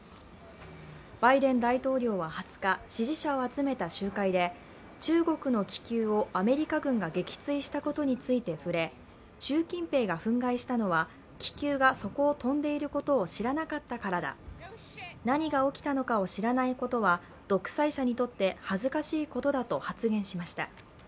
バイデン大統領は２０日、支持者を集めた集会で中国の気球をアメリカ軍が撃墜したことについて触れ習近平が憤慨したのは気球がそこを飛んでいることを知らなかったからだ何が起きたのかを知らないことは独裁者にとって恥ずかしいことだと発言しました。